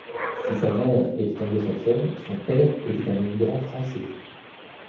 Si sa mère était anglo-saxonne, son père était un immigrant français.